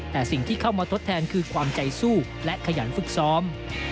แต่สิ่งที่เข้ามาทดแทนคือความใจสู้และขยันฝึกซ้อม